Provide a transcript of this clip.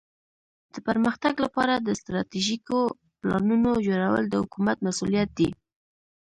د پرمختګ لپاره د استراتیژیکو پلانونو جوړول د حکومت مسؤولیت دی.